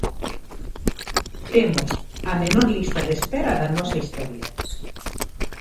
Temos a menor lista de espera da nosa historia.